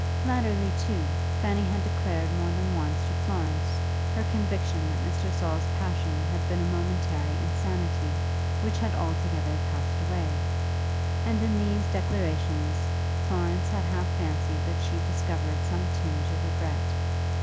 Latterly, too, Fanny had declared more than once to Florence her conviction that Mr. Saul's passion had been a momentary insanity which had altogether passed away; and in these declarations Florence had half fancied that she discovered some tinge of regret.